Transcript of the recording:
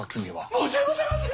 申し訳ございません！